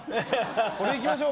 これ行きましょう。